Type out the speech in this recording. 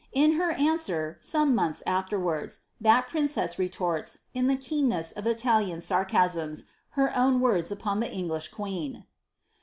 In her answer, some months afterwards, that princess retorts, in the keenness of Italian sarcasms, her own words BpOQ the English queen.'